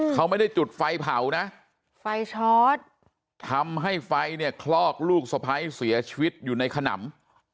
เขาไม่ได้จุดไฟเผานะไฟชอตทำให้ไฟเนี่ยคลอกลูกสะพ้ายเสียชีวิตอยู่ในขนำ